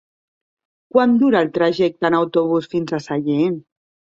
Quant dura el trajecte en autobús fins a Sellent?